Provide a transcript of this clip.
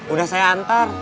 udah saya antar